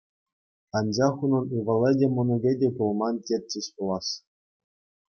Анчах унӑн ывӑлӗ те мӑнукӗ те пулман, тетчӗҫ пулас.